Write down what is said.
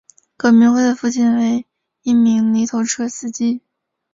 葛民辉的父亲为一名泥头车司机。